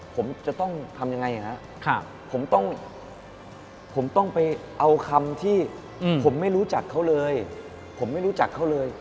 ผมจะต้องทำยังไงนะผมต้องไปเอาคำที่ผมไม่รู้จักเขาเลย